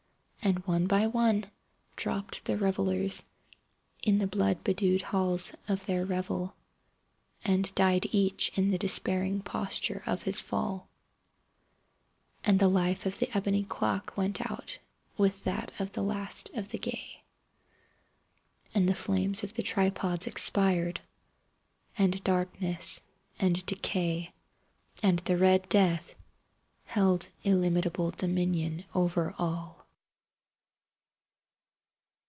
And one by one dropped the revellers in the blood bedewed halls of their revel, and died each in the despairing posture of his fall. And the life of the ebony clock went out with that of the last of the gay. And the flames of the tripods expired. And Darkness and Decay and the Red Death held illimitable dominion over all.